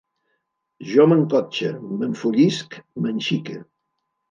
Jo m'encotxe, enfollisc, m'enxique